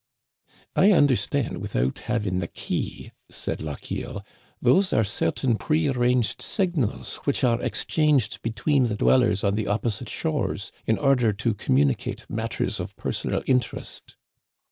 " I understand without having the key," said Lochiel. Those are certain prearranged signals which are ex changed between the dwellers on the opposite shores in order to communicate matters of personal interest."